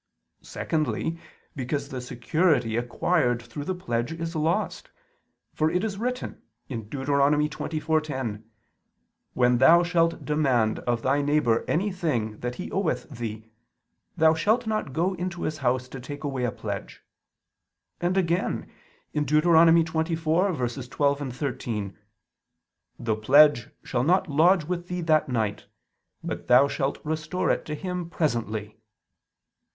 Secondly, because the security acquired through the pledge is lost: for it is written (Deut. 24:10): "When thou shalt demand of thy neighbor any thing that he oweth thee, thou shalt not go into his house to take away a pledge"; and again (Deut. 24:12, 13): "The pledge shall not lodge with thee that night, but thou shalt restore it to him presently."